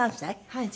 はい。